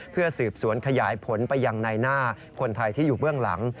เพื่อสืบสวนขยายผลไปยังในหน้าคนไทยที่อยู่เบื้องหลัง